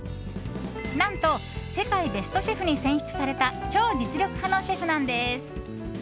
何と、世界ベストシェフに選出された超実力派のシェフなんです。